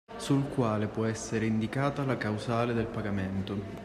Sul quale può essere indicata la causale del pagamento